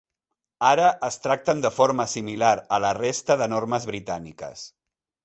Ara es tracten de forma similar a la resta de normes britàniques.